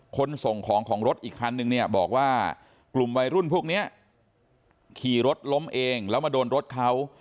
ส่งของของรถอีกคันนึงเนี่ยบอกว่ากลุ่มวัยรุ่นพวกนี้ขี่รถล้มเองแล้วมาโดนรถเขา